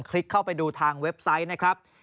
ลิกเข้าไปดูทางเว็บไซต์นะครับ